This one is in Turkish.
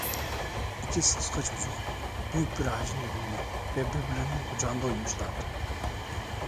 İki sıska çocuk büyük bir ağacın dibinde ve birbirlerinin kucağında uyumuşlardı.